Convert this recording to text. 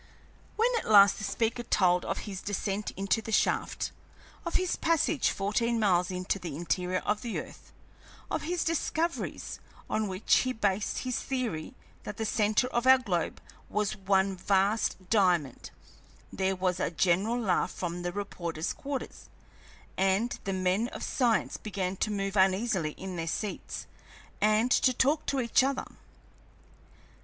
When at last the speaker told of his descent into the shaft; of his passage fourteen miles into the interior of the earth; of his discoveries, on which he based his theory that the centre of our globe is one vast diamond, there was a general laugh from the reporters' quarter, and the men of science began to move uneasily in their seats and to talk to each other.